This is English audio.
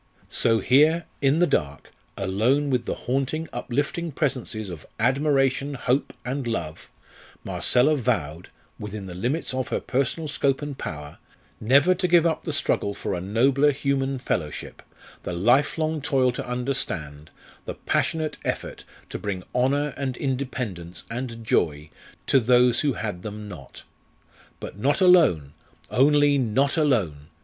So here, in the dark, alone with the haunting, uplifting presences of "admiration, hope, and love," Marcella vowed, within the limits of her personal scope and power, never to give up the struggle for a nobler human fellowship, the lifelong toil to understand, the passionate effort to bring honour and independence and joy to those who had them not. But not alone; only, not alone!